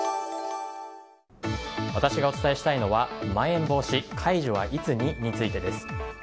私がお伝えしたいのはまん延防止、解除はいつに？についてです。